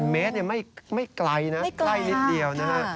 ๑๐๐๐เมตรไม่ไกลนะไกลนิดเดียวนะ